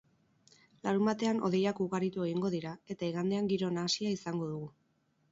Larunbatean hodeiak ugaritu egingo dira, eta igandean giro nahasia izango dugu.